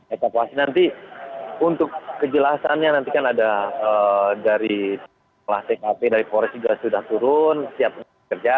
etaplasi nanti untuk kejelasannya nantikan ada dari sekolah tkp dari koreks juga sudah turun siap kerja